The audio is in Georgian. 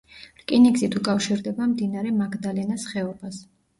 რკინიგზით უკავშირდება მდინარე მაგდალენას ხეობას.